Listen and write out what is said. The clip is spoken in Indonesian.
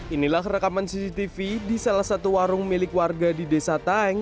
inilah rekaman cctv di salah satu warung milik warga di desa taeng